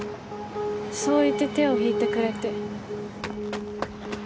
そう言って手を引いてくれて。